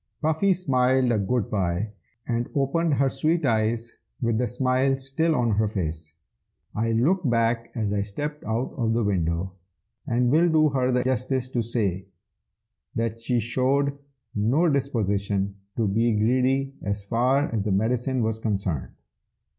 Puffy smiled a good bye, and opened her sweet eyes with the smile still on her face. I looked back as I stepped out of the window, and will do her the justice to say that she showed no disposition to be greedy as far as the medicine was concerned.